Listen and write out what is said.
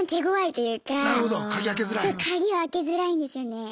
そう鍵開けづらいんですよね。